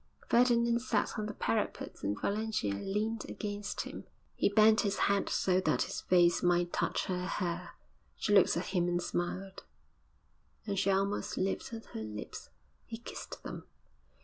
Ferdinand sat on the parapet and Valentia leaned against him. He bent his head so that his face might touch her hair. She looked at him and smiled, and she almost lifted her lips. He kissed them.